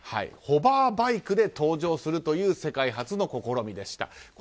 ホバーバイクで登場するという世界初の試みでした。